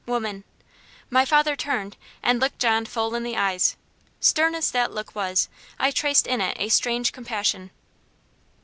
"Woman." My father turned, and looked John full in the eyes. Stern as that look was, I traced in it a strange compassion.